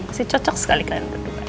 masih cocok sekali kan